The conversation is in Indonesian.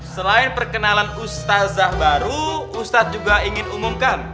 selain perkenalan ustazah baru ustadz juga ingin umumkan